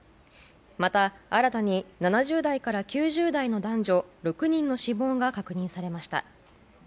また、新たに７０代から９０代の男女６人の死亡が確認されました。